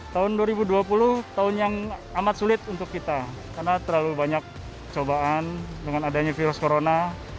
tahun dua ribu dua puluh tahun yang amat sulit untuk kita karena terlalu banyak cobaan dengan adanya virus corona